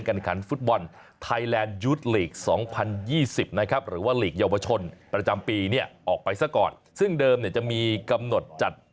๒๐๒๐นะครับหรือว่าศยกวชชนประจำปีเนี่ยออกไปแล้วก่อนซึ่งเดิมเนี่ยจะมีกำหนดจัด